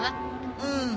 うん。